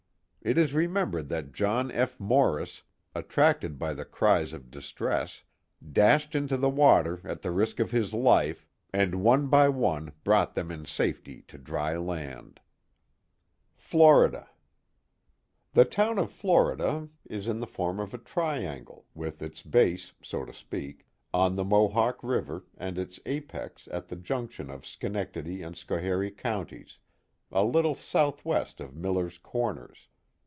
It is remembered that John F. Morris, attracted by the cries of distress, dashed into the water at the risk of his life, and one by one brought them in safety to dry land. Canajoharie — The Hills of Florida 399 FLORIDA. The town of Florida, is in the form of a triangle, with its base, so to speak, on the Mohawk River and its apex at the junction of Schenectady and Schoharie Counties, a little southwest of Miller's Corners.